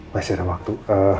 masih ada waktu